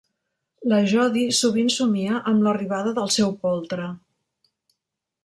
La Jody sovint somia amb l'arribada del seu poltre.